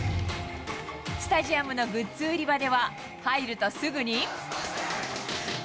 スタジアムのグッズ売り場では、入るとすぐに。